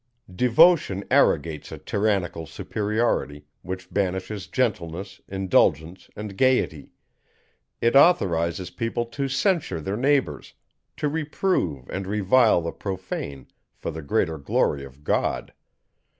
Devotion arrogates a tyrannical superiority, which banishes gentleness, indulgence, and gaiety; it authorizes people to censure their neighbours, to reprove and revile the profane for the greater glory of God.